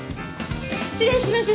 失礼します。